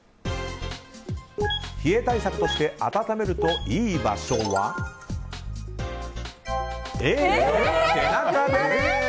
冷え対策として温めるといい場所はＡの背中です。